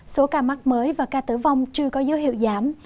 số ca mắc mới và ca tử vong chưa có dấu hiệu giảm